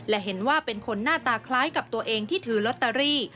และเห็นว่าเป็นคนหน้าตาคล้ายกับตัวเองที่ถือลอตเตอรี่